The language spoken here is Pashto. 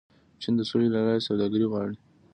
چین د سولې له لارې سوداګري غواړي.